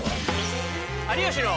「有吉の」。